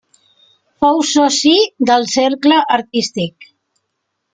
Fou soci del Cercle Artístic.